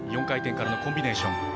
４回転からのコンビネーション。